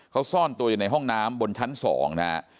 เขาซ่อนตัวอยู่ในห้องน้ำบนชั้น๒นะฮะ